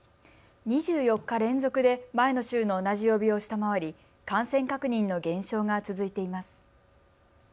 ２４日連続で前の週の同じ曜日を下回り感染確認の減少が続いています。